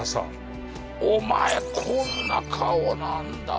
お前こんな顔なんだ。